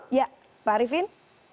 iya pak arifin